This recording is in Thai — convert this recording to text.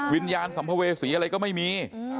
วิญญาณสัมภเวษีอะไรก็ไม่มี